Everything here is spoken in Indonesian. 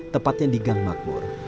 tepatnya di gang makmur